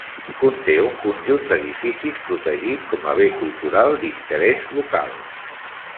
Conté un conjunt d'edificis protegit com a bé cultural d'interès local.